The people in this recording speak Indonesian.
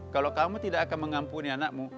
kalau kamu tidak akan mengampuni anakmu